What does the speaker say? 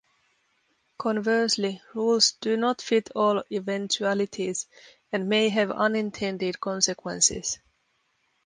Conversely, rules do not fit all eventualities and may have unintended consequences.